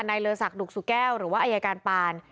เลอศักดิกสุแก้วหรือว่าอายการปาน